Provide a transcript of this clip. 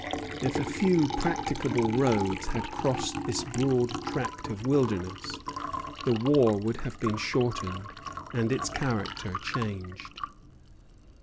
If a few practicable roads had crossed this broad tract of wilderness, the war would have been shortened and its character changed.